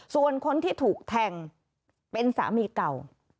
ส่วนคนที่ถูกแทงเป็นสามีเก่า